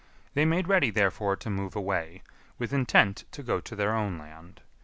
They made ready, therefore, to move away, with intent to go to their own land.